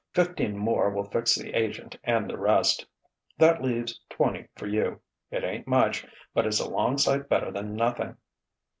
Fifteen, more will fix the agent and the rest. That leaves twenty for you. It ain't much, but it's a long sight better than nothing."